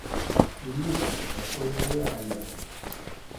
Nemyuzzam ɣef wayen ur aɣ-yeɛnin.